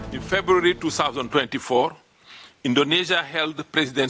di februari dua ribu dua puluh empat indonesia menjalankan pilihan presiden